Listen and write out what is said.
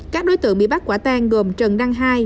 các đối tượng bị bắt quả tang gồm trần đăng hai